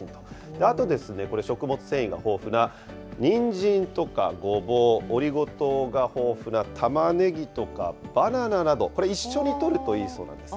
あと、食物繊維が豊富なニンジンとかゴボウ、オリゴ糖が豊富なタマネギとか、バナナなど、一緒にとるといいそうなんですね。